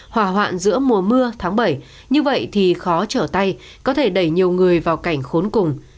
hỏa hoạn giữa mùa mưa tháng bảy như vậy thì khó trở tay có thể đẩy nhiều người vào cảnh khốn cùng